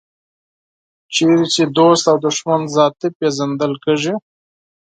چېرې چې دوست او دښمن ذاتي پېژندل کېږي.